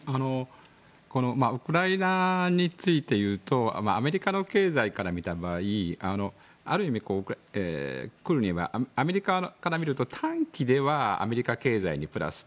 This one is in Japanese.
ウクライナについていうとアメリカの経済から見た場合ある意味、アメリカから見ると短期ではアメリカ経済にプラス。